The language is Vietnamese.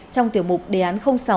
trong tiểu mục đề án sáu